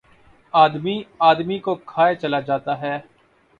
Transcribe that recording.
آدمی، آدمی کو کھائے چلا جاتا ہے